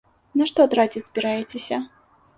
На што траціць збіраецеся?